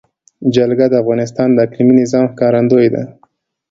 جلګه د افغانستان د اقلیمي نظام ښکارندوی ده.